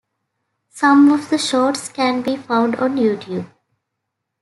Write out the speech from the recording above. Some of the shorts can be found on YouTube.